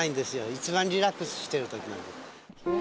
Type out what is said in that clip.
一番リラックスしてるとき。